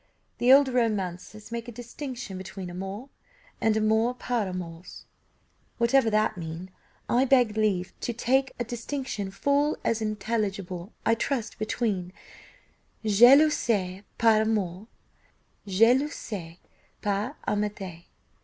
The old romancers make a distinction between amour and amour par amours. Whatever that mean, I beg leave to take a distinction full as intelligible, I trust, between jalousie par amour and jalousie par amitié.